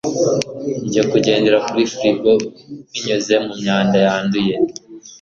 njye kugendera kuri firigo binyuze mumyanda yanduye